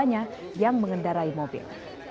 ditanya yang mengendarai mobil